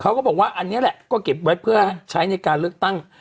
เขาก็บอกว่าอันนี้แหละก็เก็บไว้เพื่อใช้ในการเลือกตั้ง